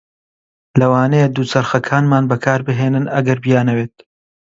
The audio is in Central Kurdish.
لەوانەیە دووچەرخەکانمان بەکاربهێنن ئەگەر بیانەوێت.